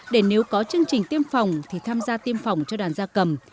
để nếu có chương trình tiêm phòng thì tham gia tiêm phòng cho đàn da cầm